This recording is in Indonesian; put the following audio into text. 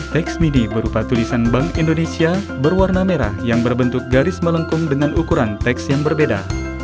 teks midi berupa tulisan bank indonesia berwarna merah yang berbentuk garis melengkung dengan ukuran teks yang berbeda